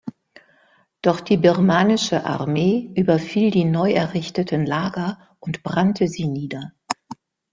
Doch die birmanische Armee überfiel die neu errichteten Lager und brannte sie nieder.